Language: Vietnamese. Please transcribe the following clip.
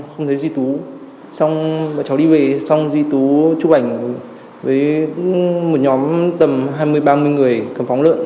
không thấy duy tú xong bọn cháu đi về xong duy tú chụp ảnh với một nhóm tầm hai mươi ba mươi người cầm phóng lợn